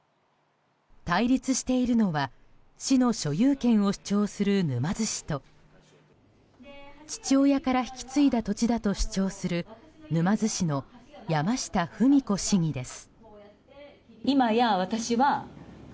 対立しているのは市の所有権を主張する沼津市と父親から引き継いだ土地だと主張する沼津市の山下富美子市議です。